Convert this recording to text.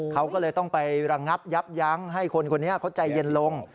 เขาก็เลยต้องไประงับยับยั้งให้คนคนนี้เขาใจเย็นลง